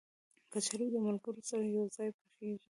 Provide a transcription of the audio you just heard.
کچالو د ملګرو سره یو ځای پخېږي